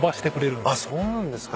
あっそうなんですか。